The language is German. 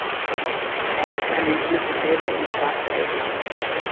Er liegt an den Flüssen Elbe und Schwarze Elster.